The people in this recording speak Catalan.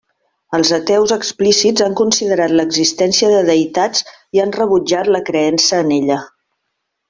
Els ateus explícits han considerat l'existència de deïtats i han rebutjat la creença en ella.